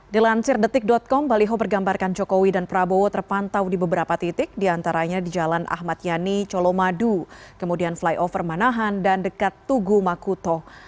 dilansir detik com baliho bergambarkan jokowi dan prabowo terpantau di beberapa titik diantaranya di jalan ahmad yani colomadu kemudian flyover manahan dan dekat tugu makuto